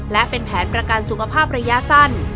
และเป็นแผนประกันสุขภาพระยะสั้น